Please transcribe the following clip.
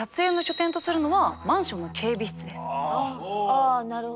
あなるほど。